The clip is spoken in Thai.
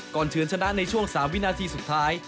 เฉินชนะในช่วง๓วินาทีสุดท้าย